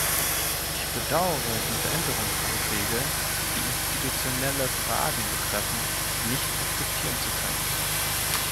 Ich bedauere, diese Änderungsanträge, die institutionelle Fragen betreffen, nicht akzeptieren zu können.